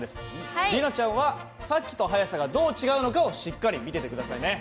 里奈ちゃんはさっきと速さがどう違うのかをしっかり見てて下さいね。